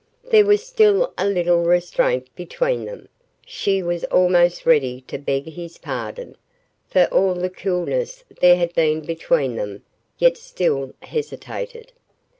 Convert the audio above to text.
There was still a little restraint between them. She was almost ready to beg his pardon, for all the coolness there had been between them, yet still hesitated.